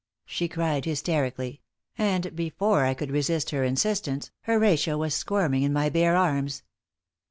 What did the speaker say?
she cried, hysterically, and before I could resist her insistence, Horatio was squirming in my bare arms.